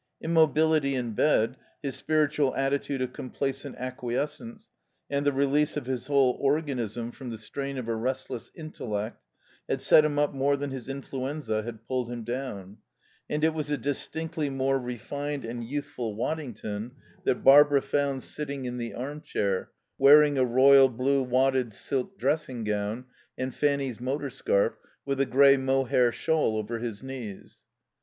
Immobility in bed, his spiritual attitude of complacent acquiescence, and the release of his whole organism from the strain of a restless intellect had set him up more than his influenza had pulled him down; and it was a distinctly more refined and youthful Waddington that Barbara found sitting in the armchair, wearing a royal blue wadded silk dressing gown and Fanny's motor scarf, with a grey mohair shawl over his knees.